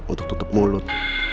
untuk tutup mulut